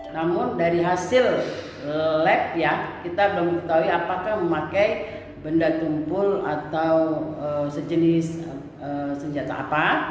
namun dari hasil lab ya kita belum ketahui apakah memakai benda tumpul atau sejenis senjata apa